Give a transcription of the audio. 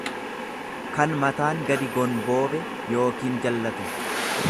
kan mataan gadi gonboobe yookiin jallate.